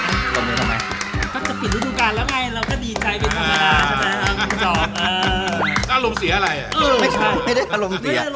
ก็จะปิดฤดูกาลแล้วไงเราก็ดีใจเป็นธรรมดาจริง